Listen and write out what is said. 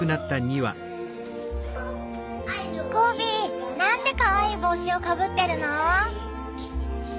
ゴビなんてかわいい帽子をかぶってるの。